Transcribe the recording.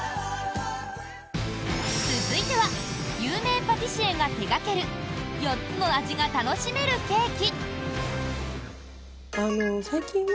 続いては有名パティシエが手掛ける４つの味が楽しめるケーキ。